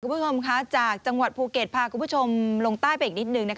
คุณผู้ชมค่ะจากจังหวัดภูเก็ตพาคุณผู้ชมลงใต้ไปอีกนิดนึงนะคะ